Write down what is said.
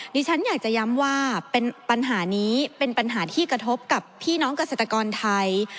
ดิฉันอยากจะย้ำว่าปัญหานี้เป็นปัญหาที่กระทบกับพี่น้องเกษตรกรไทย